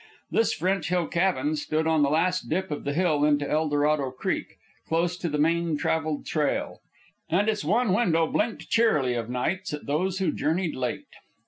This French Hill cabin stood on the last dip of the hill into Eldorado Creek, close to the main travelled trail; and its one window blinked cheerily of nights at those who journeyed late.